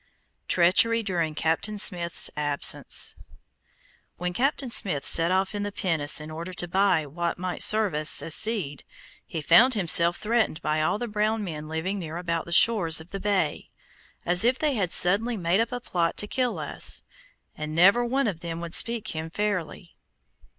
TREACHERY DURING CAPTAIN SMITH'S ABSENCE When Captain Smith set off in the pinnace in order to buy what might serve us as seed, he found himself threatened by all the brown men living near about the shores of the bay, as if they had suddenly made up a plot to kill us, and never one of them would speak him fairly.